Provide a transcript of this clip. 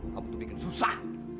kamu tuh bikin susah